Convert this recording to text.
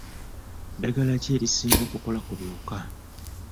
Ddagala ki erisinga okukola ku biwuka.